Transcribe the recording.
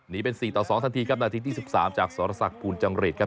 เป็น๔ต่อ๒ทันทีครับนาทีที่๑๓จากสรษักภูลจังหริตครับ